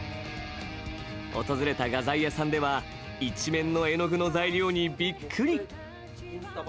訪れた画材屋さんでは一面の絵の具の材料にびっくり。